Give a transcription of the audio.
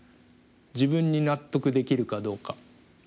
自分に納得できるかどうか。